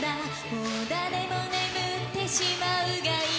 もう誰も眠ってしまうがいい